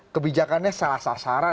kebijakannya salah sasaran